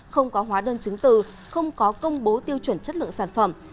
không có hóa đơn chứng từ không có công bố tiêu chuẩn chất lượng sản phẩm